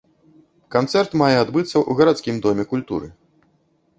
Канцэрт мае адбыцца ў гарадскім доме культуры.